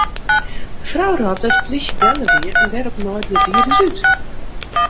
De frou rôp dat de plysje belle wie en dêrop naaiden de dieders út.